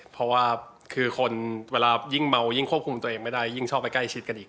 เพราะว่าคือคนเวลายิ่งเมายิ่งควบคุมตัวเองไม่ได้ยิ่งชอบไปใกล้ชิดกันอีก